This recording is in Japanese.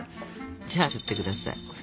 じゃあすってください。